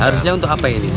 harusnya untuk apa ini